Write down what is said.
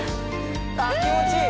気持ちいい